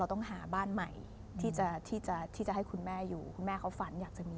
ตอนประมาณสัก๒๒๒๓นี้เริ่มซื้อรถแล้ว